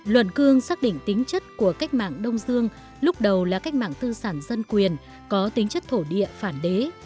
luận cương xác định tính chất của cách mạng đông dương lúc đầu là cách mạng tư sản dân quyền có tính chất thổ địa phản đế